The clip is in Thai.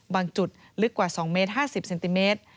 จุดลึกกว่า๒เมตร๕๐เซนติเมตร